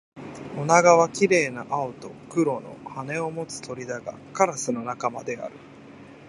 オナガは綺麗な青と黒の羽を持つ鳥だが、カラスの仲間である